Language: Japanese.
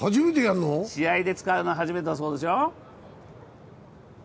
試合で使うのは初めてだそうです。